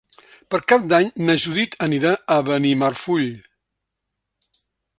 Per Cap d'Any na Judit anirà a Benimarfull.